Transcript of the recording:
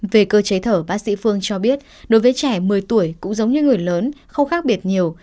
về cơ chế thở bác sĩ phương cho biết đối với trẻ một mươi tuổi cũng giống như người lớn không khác biệt nhiều